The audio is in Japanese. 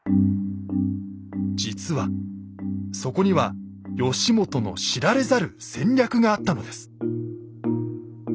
実はそこには義元の知られざる戦略があったのです。